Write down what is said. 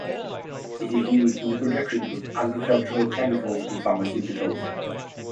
It is used in the production of agricultural chemicals and pharmaceuticals.